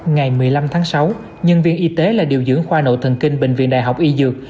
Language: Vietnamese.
ngày một mươi năm tháng sáu nhân viên y tế là điều dưỡng khoa nội thần kinh bệnh viện đại học y dược